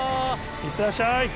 いってらっしゃい。